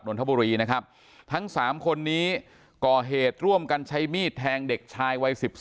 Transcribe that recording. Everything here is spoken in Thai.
นทบุรีนะครับทั้ง๓คนนี้ก่อเหตุร่วมกันใช้มีดแทงเด็กชายวัย๑๔